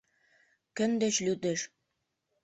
Кӧн деч лӱдеш?